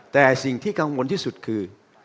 แต่สิ่งที่กังวลที่สุดคือ